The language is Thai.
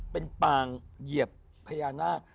เป็นปางเหยียบพญานาค